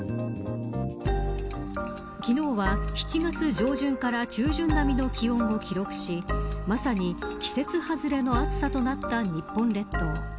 昨日は７月上旬から中旬並みの気温を記録しまさに、季節外れの暑さとなった日本列島。